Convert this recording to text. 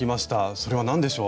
それは何でしょう。